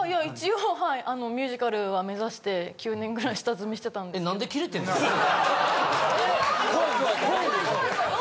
一応はいミュージカルは目指して９年ぐらい下積みしてたんです。